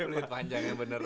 pulit panjang yang beneran